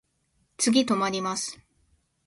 次止まります。